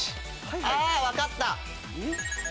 あぁ分かった。